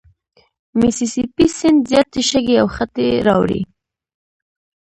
میسي سي پي سیند زیاتي شګې او خټې راوړي.